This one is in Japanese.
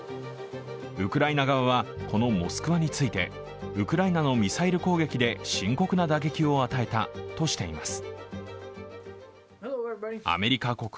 ウクライナ側は、この「モスクワ」についてウクライナのミサイル攻撃で深刻な打撃を与えたとしています。